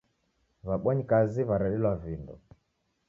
W'abonyikazi w'aredelwa vindo